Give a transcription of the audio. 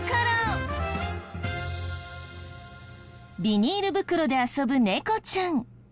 ビニール袋で遊ぶ猫ちゃん。